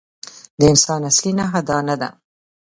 د انسان اصلي نښه دا نه ده.